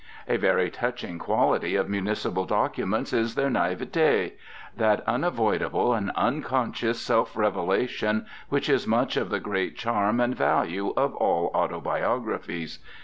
A very touching quality in municipal documents is their naivete that unavoidable and unconscious self revelation which is much of the great charm and value of all autobiographies.